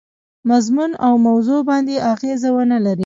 مضمون او موضوع باندي اغېزه ونه لري.